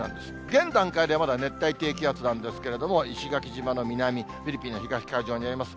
現段階ではまだ熱帯低気圧なんですけれども、石垣島の南、フィリピンの東海上にあります。